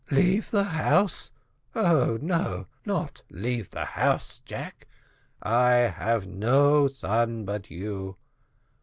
"Leave the house! Oh, no; not leave the house, Jack. I have no son but you.